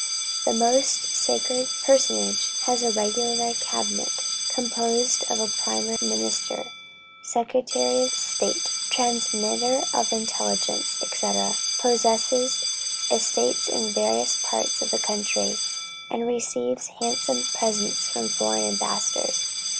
This most sacred personage has a regular cabinet composed of a prime minister, secretary of state, transmitter of intelligence, &c., possesses estates in various parts of the country, and receives handsome presents from foreign ambassadors.